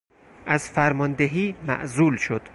از فرماندهی معزول شد.